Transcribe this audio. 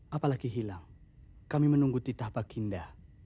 apalagi hilang kami menunggu titah baginda